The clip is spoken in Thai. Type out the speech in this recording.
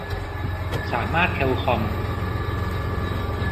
สามารถเทลคอม